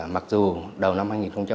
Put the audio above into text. mặc dù đầu năm hai nghìn hai mươi bốn